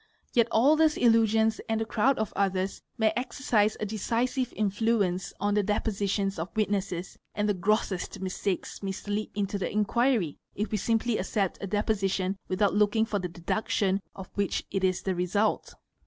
Yet all these illusions and a crowd of others may exercise a decisive influence on the depositions of witnesses and the grossest mistakes may slip into the inquiry if we simply accept a deposition without looking for the deductions of which it is the result.